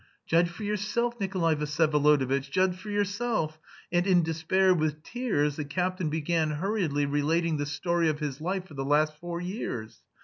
"Judge for yourself, Nikolay Vsyevolodovitch, judge for yourself," and, in despair, with tears, the captain began hurriedly relating the story of his life for the last four years.